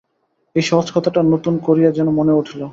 এই সহজ কথাটা নূতন করিয়া যেন মনে উঠিল।